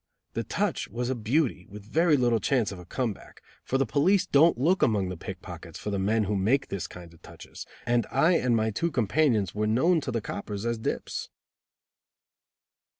The "touch" was a beauty, with very little chance of a come back, for the police don't look among the pickpockets for the men who make this kind of touches, and I and my two companions were known to the coppers as dips.